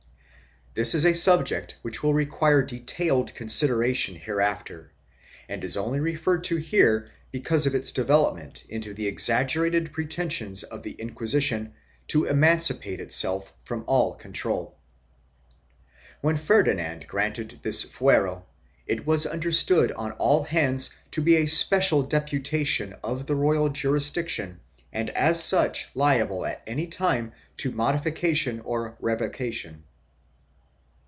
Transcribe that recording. This is a subject which will require detailed consideration hereafter and is only referred to here because of its development into the exaggerated pretensions of the Inquisition to emancipate itsef from all con trol. When Ferdinand granted this fuero it was understood on all hands to be a special deputation of the royal jurisdiction and as such liable at any time to modification or revocation.